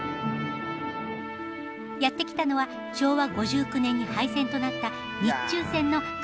やって来たのは昭和５９年に廃線となった日中線の熱塩駅。